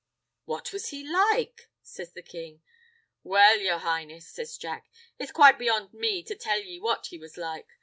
"What was he like?" says the king. "Well, yer Highness," says Jack, "it's quite beyond me to tell ye what he was like.